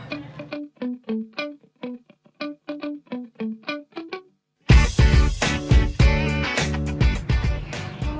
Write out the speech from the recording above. nggak ada yang ngejar lo selain gue